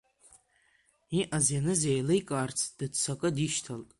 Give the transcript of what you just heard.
Иҟаз-ианыз еиликаарц, дыццакы дишьҭалт.